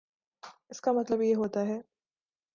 اس کا مطلب یہ ہوتا ہے